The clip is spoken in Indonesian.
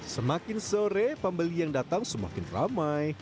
semakin sore pembeli yang datang semakin ramai